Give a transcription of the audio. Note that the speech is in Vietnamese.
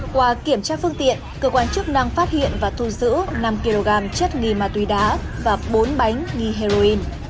qua kiểm tra phương tiện cơ quan chức năng phát hiện và thu giữ năm kg chất nghi ma túy đá và bốn bánh nghi heroin